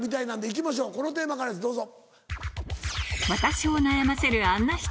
いきましょうこのテーマからですどうぞ。